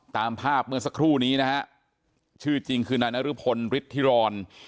ตามภาพเมื่อสักครู่นี้นะฮะชื่อจริงคือนายนรพลฤทธิร